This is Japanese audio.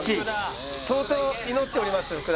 相当祈っております福田さん。